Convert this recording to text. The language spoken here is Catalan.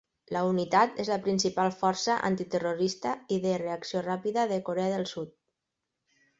La unitat és la principal força antiterrorista i de reacció ràpida de Corea del Sud.